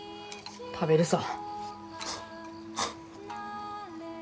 食べるさ。